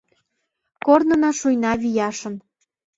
Корнына шуйна вияшын